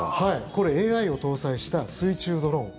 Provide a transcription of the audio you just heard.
これＡＩを搭載した水中ドローン。